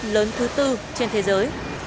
lớn thứ bốn trên thế giới